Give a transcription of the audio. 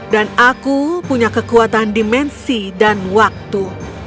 dan aku punya kekuatan dimensi dan waktu